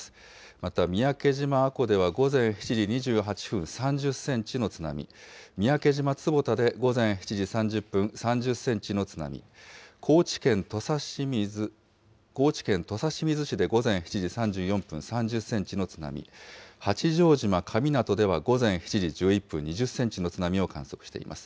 また三宅島阿古では午前７時２８分、３０センチの津波、三宅島坪田で午前７時３０分、３０センチの津波、高知県土佐清水市で午前７時３４分、３０センチの津波、八丈島神湊では午前７時１１分、２０センチの津波を観測しています。